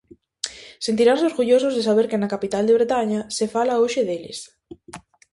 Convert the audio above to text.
Sentiranse orgullosos de saber que na capital de Bretaña se fala hoxe deles.